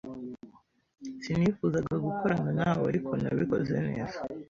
Sinifuzaga gukorana na we, ariko nabikoze neza.